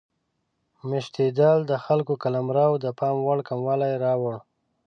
میشتېدل د خلکو قلمرو د پام وړ کموالی راوړ.